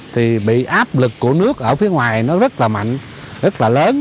thì bị áp lực của nước ở phía ngoài nó rất là mạnh rất là lớn